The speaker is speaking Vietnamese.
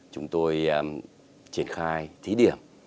chúng tôi triển khai thí điểm